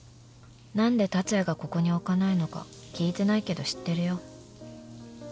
［何で竜也がここに置かないのか聞いてないけど知ってるよ］